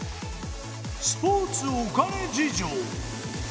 スポーツお金事情